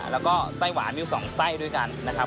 แล้วก็ไส้หวานอยู่๒ไส้ด้วยกันนะครับ